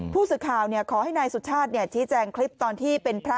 ผู้สื่อข่าวขอให้นายสุชาติชี้แจงคลิปตอนที่เป็นพระ